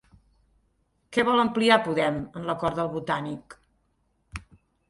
Què vol ampliar Podem en l'Acord del Botànic?